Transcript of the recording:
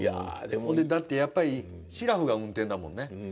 だってやっぱりしらふが運転だもんね。